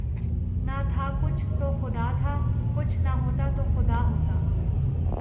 نہ تھا کچھ تو خدا تھا، کچھ نہ ہوتا تو خدا ہوتا